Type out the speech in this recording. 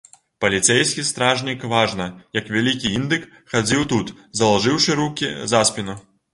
Паліцэйскі стражнік важна, як вялікі індык, хадзіў тут, залажыўшы рукі за спіну.